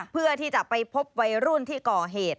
เพื่อที่จะไปพบวัยรุ่นที่ก่อเหตุ